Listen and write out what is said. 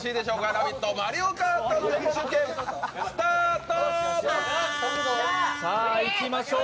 ラヴィット！マリオカート選手権、スタート！